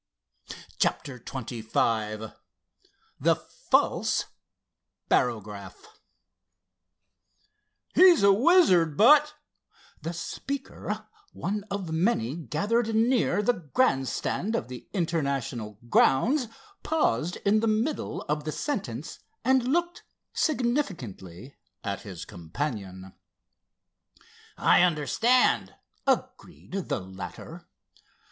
CHAPTER XXV THE FALSE BAROGRAPH "He's a wizard, but——" The speaker, one of many gathered near the grand stand of the International grounds, paused in the middle of the sentence, and looked significantly at his companion. "I understand," agreed the latter.